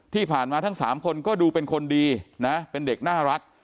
ที่ผ่านมาทั้ง๓คนก็ดูเป็นคนดีนะเป็นเด็กน่ารัก